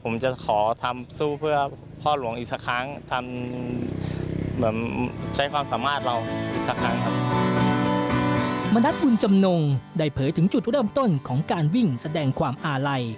นัทบุญจำนงได้เผยถึงจุดเริ่มต้นของการวิ่งแสดงความอาลัย